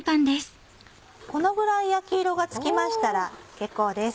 このぐらい焼き色がつきましたら結構です。